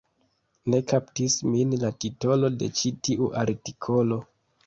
Ne kaptis min la titolo de ĉi tiu artikolo